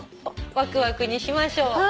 「ワクワク」にしましょう。